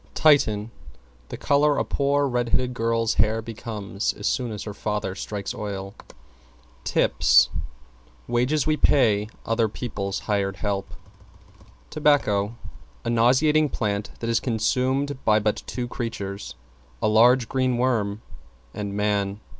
=TITIAN= The color a poor red headed girl's hair becomes as soon as her father strikes oil. =TIPS= Wages we pay other people's hired help. =TOBACCO= A nauseating plant that is consumed by but two creatures; a large, green worm and man.